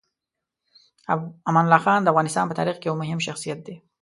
امان الله خان د افغانستان په تاریخ کې یو مهم شخصیت دی.